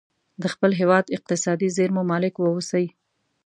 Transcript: د خپل هیواد اقتصادي زیرمو مالک واوسي.